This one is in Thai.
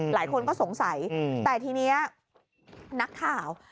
หลายคนก็สงสัยแต่ทีนี้นักข่าว